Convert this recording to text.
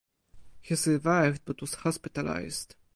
He survived but was hospitalised.